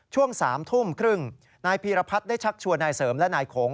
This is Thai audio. ช่วง๓ทุ่มครึ่งนายพีรพัฒน์ได้ชักชวนนายเสริมและนายโขง